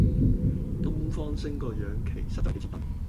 東方昇個樣其實真係幾似鄧